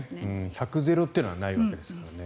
百ゼロというのはないわけですからね。